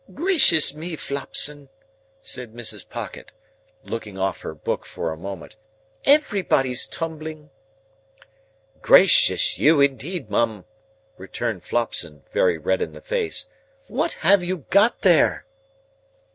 "Gracious me, Flopson!" said Mrs. Pocket, looking off her book for a moment, "everybody's tumbling!" "Gracious you, indeed, Mum!" returned Flopson, very red in the face; "what have you got there?"